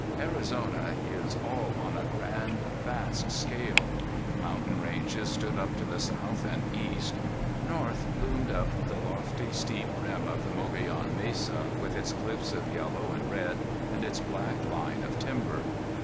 Arizona is all on a grand, vast scale. Mountain ranges stood up to the south and east. North loomed up the lofty, steep rim of the Mogollon Mesa, with its cliffs of yellow and red, and its black line of timber.